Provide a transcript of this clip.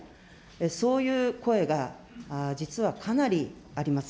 そういう声が実はかなりあります。